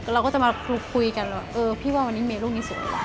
เราก็จะมาคุยกันพี่ว่าวันนี้เมลูกนี้สวย